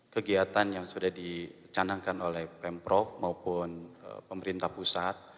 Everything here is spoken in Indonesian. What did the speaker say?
kegiatan yang sudah dicanangkan oleh pemprov maupun pemerintah pusat